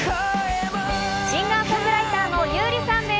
シンガー・ソングライターの優里さんです。